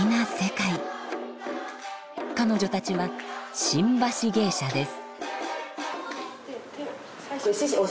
彼女たちは「新橋芸者」です。